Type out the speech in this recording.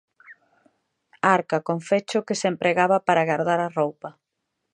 Arca con fecho que se empregaba para gardar a roupa.